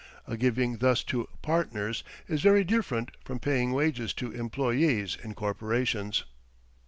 A giving thus to "partners" is very different from paying wages to "employees" in corporations.